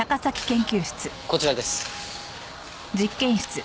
こちらです。